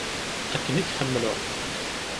Akken i k-ḥemmleɣ.